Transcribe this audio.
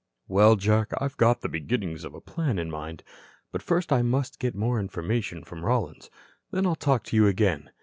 "Well, Jack, I've got the beginnings of a plan in mind. But first I must get more information from Rollins. Then I'll talk to you again."